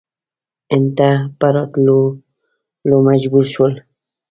هند ته په راتللو مجبور شول.